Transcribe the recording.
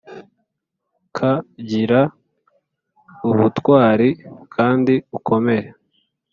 k Gira ubutwari kandi ukomere